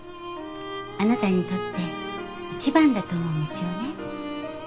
あなたにとって一番だと思う道をね。